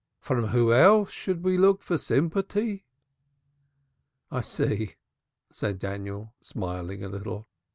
From who else shall we look for sympaty?" "I see," said Daniel smiling a little.